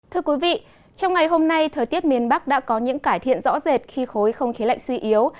thưa quý vị trong ngày hôm nay thời tiết miền bắc đã có những cải thiện rõ rệt khi khối không khí lạnh suy yếu